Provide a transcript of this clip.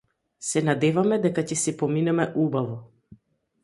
Се надеваме дека ќе си поминеме убаво.